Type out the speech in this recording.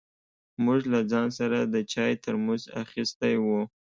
موږ له ځان سره د چای ترموز اخيستی و.